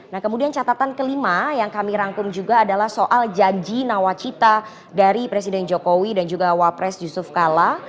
nah kemudian catatan kelima yang kami rangkum juga adalah soal janji nawacita dari presiden jokowi dan juga wapres yusuf kala